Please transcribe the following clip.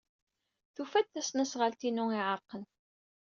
Tufa-d tasnasɣalt-inu iɛerqen.